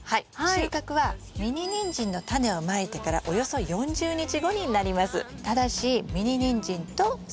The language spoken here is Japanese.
収穫はミニニンジンのタネをまいてからおよそ４０日後になります。